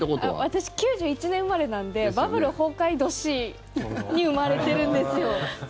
私９１年生まれなのでバブル崩壊年に生まれてるんですよ。